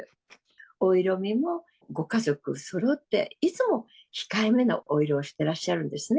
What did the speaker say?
お色味もご家族そろって、いつも控えめなお色をしてらっしゃるんですね。